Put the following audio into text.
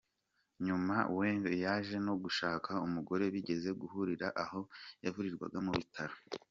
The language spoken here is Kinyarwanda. Nyuma Wiens yaje no gushaka umugore bigeze guhurira aho yavurirwaga mu bitaro.